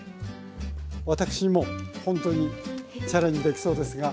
私にもほんとにチャレンジできそうですが。